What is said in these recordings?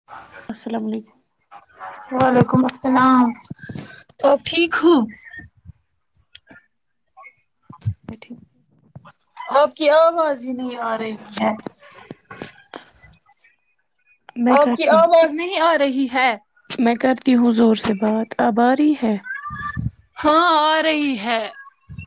[unintelligible] السلام علیکم وعلیکم السلام آپ ٹھیک ہو میں تھیک آپ کی آواز ہی نہیں آ رہی ہے میں آپ کی کرتی ہوں آواز نہیں آ رہی ہے میں کرتی ہوں زور سے بات آب آری ہے ہاں آ رہی ہے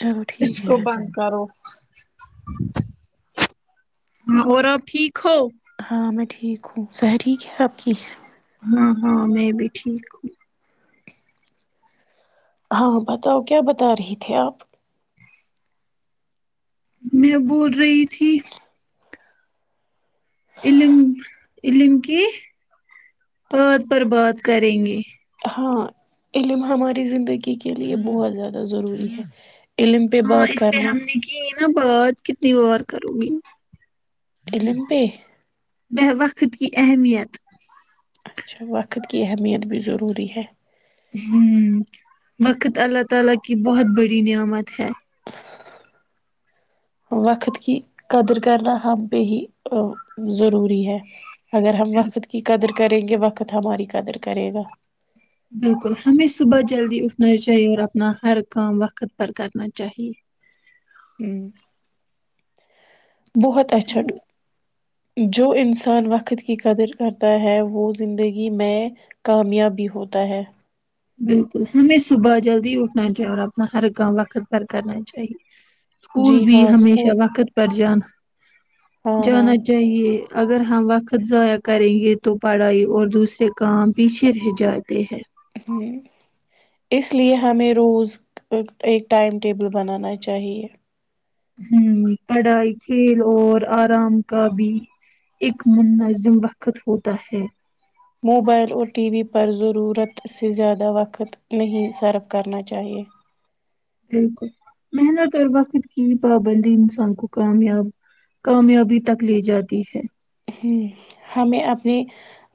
چلو اس ٹھیک کو ہے بند کرو اور آپ ٹھیک ہو ہاں میں ٹھیک ہوں سہر ٹھیک ہے آپ کی ہاں ہاں میں بھی ٹھیک ہوں ہاں بتاؤ کیا بتا رہی تھے آپ میں بول رہی تھی علم علم کی بات پر بات کریں گے ہاں علم ہماری زندگی کے لیے بہت زیادہ ضروری ہے علم پہ ہاں بات اس پہ کرنا ہم نے کی نا بات کتنی بار کروں گی علم پہ ب وقت کی اہمیت اچھا وقت کی اہمیت بھی ضروری ہے ہمم وقت اللہ تعالی کی بہت بڑی نعمت ہے وقت کی قدر کرنا ہم پہ ہی ضروری ہے اگر ہم وقت کی قدر کریں گے وقت ہماری قدر کرے گا بالکل ہمیں صبح جلدی اٹھنا چاہیے اور اپنا ہر کام وقت پر کرنا چاہیے ہوں بہت اچھے اسکو- جو انسان وقت کی قدر کرتا ہے وہ زندگی میں کامیاب بھی ہوتا ہے بالکل ہمیں صبح جلدی اٹھنا چاہیے اور اپنا ہر کام وقت پر کرنا چاہیے اسکول جی بھی ہاں ہمیشہ اسکول وقت پر جان ہاں ہاں جانا چاہیے اگر ہم وقت ضائع کریں گے تو پڑھائی اور دوسرے کام پیچھے رہ جاتے ہیں تھیک اس لیے ہمیں روز ایک ٹائم ٹیبل بنانا چاہیے ہوں پڑھائی کھیل اور آرام کا بھی ایک منظم وقت ہوتا ہے موبائل اور ٹی وی پر ضرورت سے زیادہ وقت نہیں سرف کرنا چاہیے بالکل محنت اور وقت کی پابندی انسان کو کامیاب کامیابی تک لے جاتی ہے ہمم ہمیں اپنی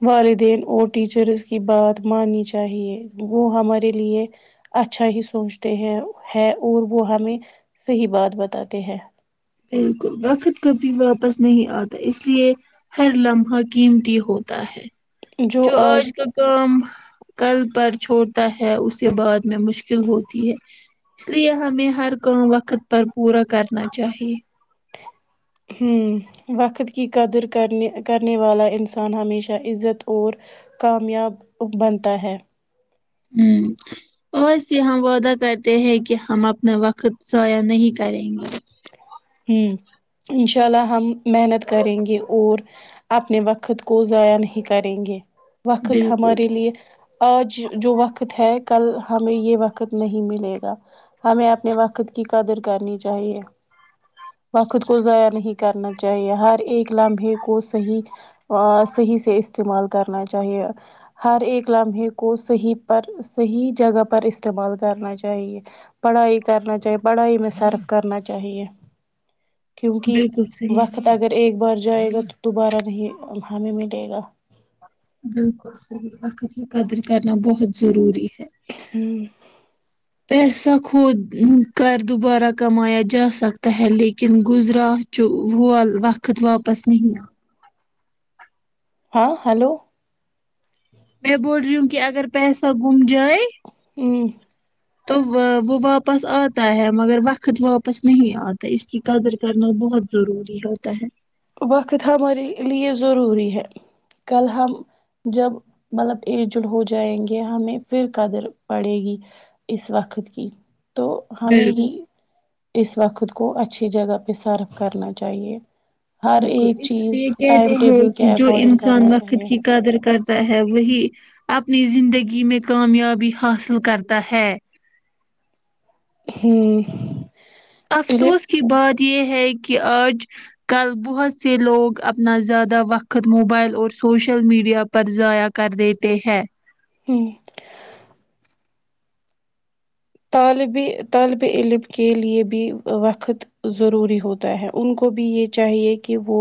والدین اور ٹیچرس کی بات ماننی چاہیے وہ ہمارے لیے اچھا ہی سوچتے ہیں ہے اور وہ ہمیں صحیح بات بتاتے ہیں بالکل وقت کبھی واپس نہیں آتا اس لیے ہر لمحہ قیمتی ہوتا ہے جو آج ک کام کل پر چھوڑتا ہے اسے بعد میں مشکل ہوتی ہے اس لیے ہمیں ہر کام وقت پر پورا کرنا چاہیے ہوں وقت کی قدر کرنے کرنے والا انسان ہمیشہ عزت اور کامیاب بنتا ہے ہوں بس یہاں ہم وعدہ کرتے ہیں کہ ہم اپنا وقت ضائع نہیں کریں گے ہوں انشاء اللہ ہم محنت کریں گے اور اپنے وقت کو ضائع نہیں کریں گے وقت بالکل ہمارے لیے آج جو وقت ہے کل ہمیں یہ وقت نہیں ملے گا ہمیں اپنے وقت کی قدر کرنی چاہیے وقت کو ضائع نہیں کرنا چاہیے ہر ایک لمحے کو صحیح صحیح سے استعمال کرنا چاہیے ہر ایک لمحے کو صحیح پر صحیح جگہ پر استعمال کرنا چاہیے پڑھائی کرنا چاہیے پڑھائی میں صرف کرنا چاہیے کیونکہ بالکل صحیح وقت اگر ایک بار جائے گا تو دوبارہ نہیں ہمیں ملے گا بالکل صحیح وقت کی قدر کرنا بہت ضروری ہے ہوں پیسا خود کر دوبارہ کمایا جا سکتا ہے لیکن گزرا چ وول وقت واپس نہیں ہاں ہلو میں بول رہی ہوں کہ اگر پیسہ گم جائے ہوں تو وہ واپس آتا ہے مگر وقت واپس نہیں آتا اس کی قدر کرنا بہت ضروری ہوتا ہے وقت ہمارے لیے ضروری ہے کل ہم جب مطلب اجیڈ ہو جائیں گے ہمیں پھر قدر پڑے گی اس وقت کی تو بال ہمیں ہی اس وقت کو اچھی جگہ پہ صرف کرنا چاہیے ہر بالکل ایک اس لیے چیز کہتے ٹائم ہیں ٹیبل کہ کے جو اکارڈنگ انسان کرنا وقت چاہیے کی قدر کرتا ہے وہی اپنی زندگی میں کامیابی حاصل کرتا ہے ہوں ا افسوس کی بات یہ ہے کہ آج کل بہت سے لوگ اپنا زیادہ وقت موبائل اور سوشل میڈیا پر ضائع کر دیتے ہیں ہوں طالب طالب علم کے لیے بھی وقت ضروری ہوتا ہے ان کو بھی یہ چاہیے کہ وہ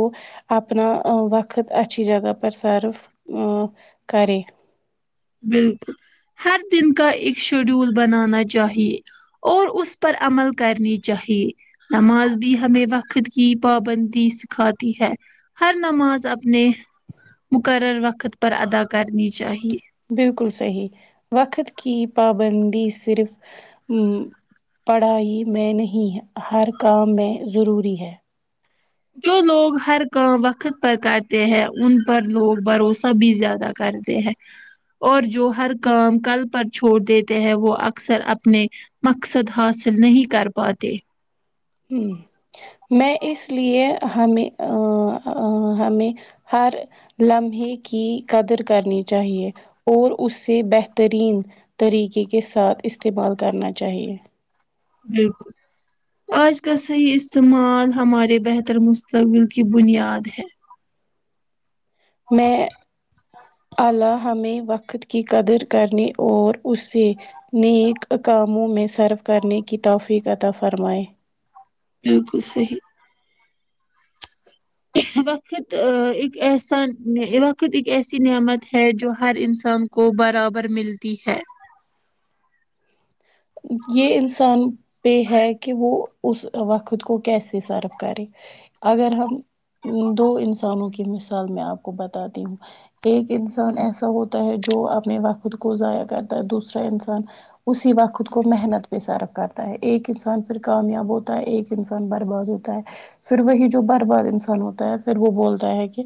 اپنا وقت اچھی جگہ پر سرف کریں بالکل ہر دن کا ایک شیڈول بنانا چاہیے اور اس پر عمل کرنی چاہیے نماز بھی ہمیں وقت کی پابندی سکھاتی ہے ہر نماز اپنے مقرر وقت پر ادا کرنی چاہیے بالکل صحیح وقت کی پابندی صرف ام پڑھائی میں نہیں ہے ہر کام میں ضروری ہے جو لوگ ہر کام وقت پر کرتے ہیں ان پر لوگ بھروسہ بھی زیادہ کرتے تے ہیں اور جو ہر کام کل پر چھوڑ دیتے ہیں وہ اکثر اپنے مقصد حاصل نہیں کر پاتے ہ میں اس لیے ہمیں ا ہمیں ہر لمحے کی قدر کرنی چاہیے اور اس سے بہترین طریقے کے ساتھ استعمال کرنا چاہیے بالکل آج کا صحیح استعمال ہمارے بہتر مستقبل کی بنیاد ہے میں الہ ہمیں وقت کی قدر کرنے اور اس سے نیک کاموں میں سرو کرنے کی توفیق عطا فرمائیں بالکل صحیح وقت ایک ایسا وقت ایک ایسی نعمت ہے جو ہر انسان کو برابر ملتی ہے یہ انسان پہ ہے کہ وہ اس وقت کو کیسے سروف کرے اگر ہم دو انسانوں کی مثال میں آپ کو بتاتی ہوں ایک انسان ایسا ہوتا ہے جو اپنے وقت کو ضائع کرتا ہے دوسرا انسان اسی وق خود کو محنت پہ صرف کرتا ہے ایک انسان پھر کامیاب ہوتا ہے ایک انسان برباد ہوتا ہے پھر وہی جو برباد انسان ہوتا ہے پھر وہ بولتا ہے کہ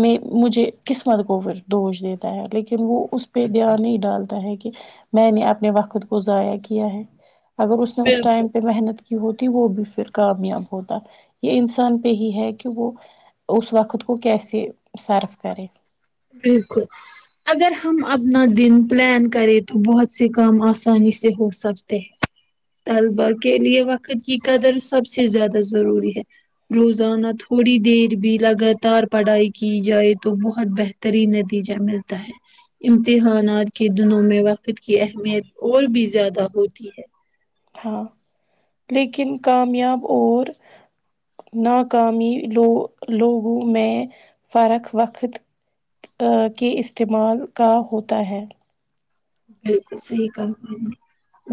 میں مجھے قسمت کودش دیتا ہے لیکن وہ اس پہ دھیان نہیں ڈالتا ہے کہ میں نے اپنے وقت کو ضائع کیا ہے اگر اس نے اس ٹائم پہ محنت کی ہوتی وہ بھی پھر کامیاب ہوتا یہ انسان پہ ہی ہے کہ وہ اس وقت کو کیسے صارف کرے بالکل اگر ہم اپنا دن پلان کریں تو بہت سے کام آسانی سے ہو سکتے ہیں طلبا کے لیے وقت کی قدر سب سے زیادہ ضروری ہے روزانہ تھوڑی دیر بھی لگاتار پڑھائی کی جائے تو بہت بہترین نتیجہ ملتا ہے امتحانات کے دنوں میں وقت کی اہمیت اور بھی زیادہ ہوتی ہے ہاں لیکن کامیاب اور ناکامی لو لوگوں میں فرق وقت کے استعمال کا ہوتا ہے بالکل صحیح کہا آپ نے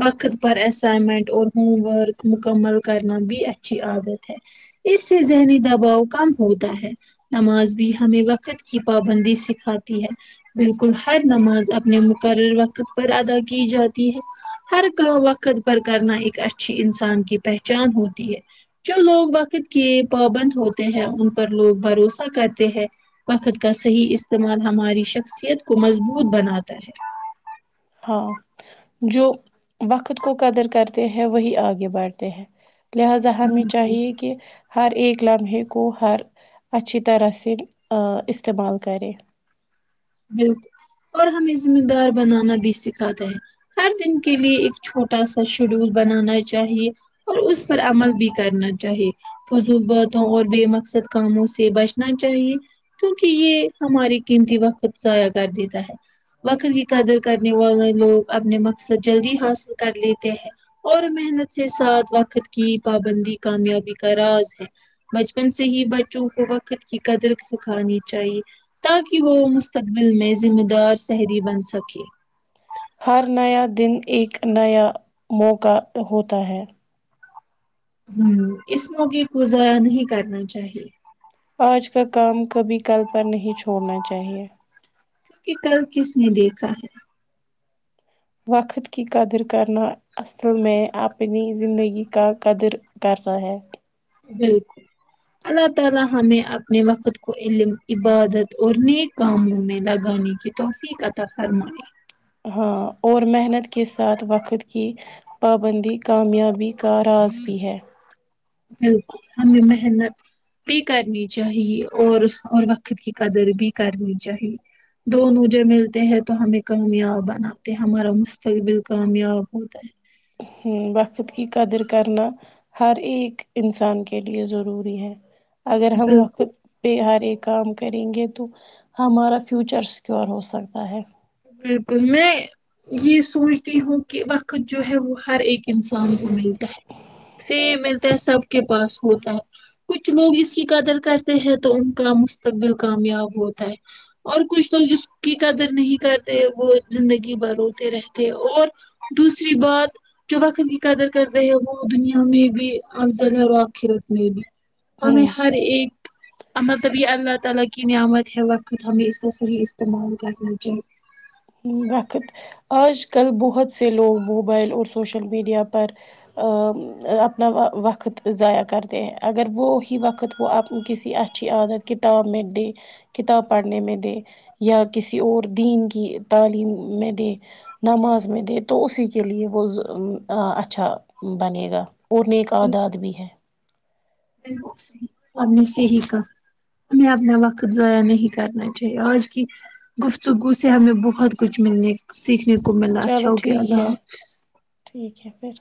وقت پر اسائمنٹ اور ہوم ورک مکمل کرنا بھی اچھی عادت ہے اس سے ذہنی دباؤ کم ہوتا ہے نماز بھی ہمیں وقت کی پابندی سکھاتی ہے بالکل ہر نماز اپنے مقرر وقت پر ادا کی جاتی ہے ہر کام وقت پر کرنا ایک اچھی انسان کی پہچان ہوتی ہے جو لوگ وقت کے پابند ہوتے ہیں ان پر لوگ بھروسہ کرتے ہیں وقت کا صحیح استعمال ہماری شخصیت کو مضبوط بناتا ہے ہاں جو وقت کو قدر کرتے ہیں وہی آگے بڑھتے ہیں لہذا ہمیں ہے چاہیے کہ ہر ایک لمحے کو ہر اچھی طرح سے استعمال کرے بالکل اور ہمیں ذمہ دار بنانا بھی سکھاتے ہیں ہر دن کے لیے ایک چھوٹا سا شیڈول بنانا چاہیے اور اس پر عمل بھی کرنا چاہیے فضول باتوں اور بے مقصد کاموں سے بچنا چاہیے کیونکہ یہ ہماری قیمتی وقت ضائع کر دیتا ہے وقت کی قدر کرنے والے لوگ اپنے مقصد جلدی حاصل کر لیتے ہیں اور محنت سے ساتھ وقت کی پابندی کامیابی کا راز ہے بچپن سے ہی بچوں کو وقت کی قدر سکھانی چاہیے تاکہ وہ مستقبل میں ذمہ دار سہری بن سکے ہر نیا دن ایک نیا موقع ہوتا ہے ہوں اس موقعے کو ضائع نہیں کرنا چاہیے آج کا کام کبھی کل پر نہیں چھوڑنا چاہیے کہ کل کس نے دیکھا ہے وقت کی قدر کرنا اصل میں اپنی زندگی کا قدر کر نا ہیں بالکل اللہ تعالی ہمیں اپنے وقت کو علم عبادت اور نیک کاموں میں لگانے کی توفیق عطاء فرمائی ہاں اور محنت کے ساتھ وقت کی پابندی کامیابی کا راز بھی ہے بالکل ہمیں محنت بھی کرنی چاہے اور اور وقت کی قدر بھی کرنی چاہے دونوں جو ملتے ہیں تو ہمیں کامیاب بناتے ہیں ہمارا مستقبل کامیاب ہوتا ہے ہوں وقت کی قدر کرنا ہر ایک انسان کے لیے ضروری ہے اگر ہے ہم وقت بالکل پے پر ایک کام کریں گے تو ہمارا فیوچر سکیور ہو سکتا ہے بالکل میں یہ سوچتی ہوں کہ وقت جو ہے وہ ہر ایک انسان کو ملتا ہے س ملتا ہے سب کے پاس ہوتا ہے کچھ لوگ اس کی قدر کرتے ہیں تو ان کا مستقبل کامیاب ہوتا ہے اور کچھ تو جس کی قدر نہیں کرتے وہ زندگی بھر روتے رہتے اور دوسری بات جو وقت کی قدر کرتے ہیں وہ دنیا میں بھی اور صرور آخرت میں بھی ہمیں ہ ہر ایک مطلب یہ اللہ تعالی کی نعمت ہے وقت ہمیں اس کا صحیح استعمال کرنا چاہیے وقت آج کل بہت سے لوگ موبائل اور سوشل میڈیا پر ا اپنا وقت ضائع کرتے ہیں اگر وہ ہی وقت وہ اپ کو کسی اچھی عادت کتاب میں دی کتاب پڑھنے میں دے یا کسی اور دین کی تعلیم میں دے نماز میں دے تو اسی کے لیے وہ صرو ا اچھا بنے گا اور نیک عادات بھی ہے اپ نے صحیح کہا ہمیں اپنا وقت ضائع نہیں کرنا چاہیے آج کی گفتگو سے ہمیں بہت کچھ ملنے سیکھنے کو ملا چلو اچھا ہوگیا ٹھیک اللہ ہے حافظ ٹھیک ہے پھر